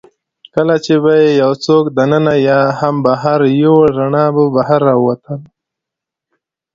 کله چي به يې یوڅوک دننه یا هم بهر یووړ، رڼا به بهر راوتل.